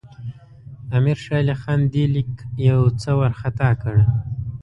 امیر شېر علي خان دې لیک یو څه وارخطا کړ.